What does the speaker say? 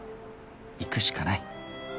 行くしかない。